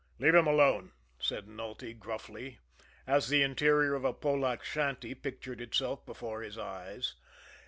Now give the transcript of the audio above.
"Let him alone!" said Nulty gruffly, as the interior of a Polack shanty pictured itself before his eyes.